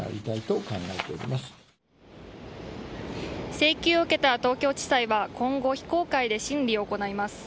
請求を受けた東京地裁は今後非公開で審理を行います。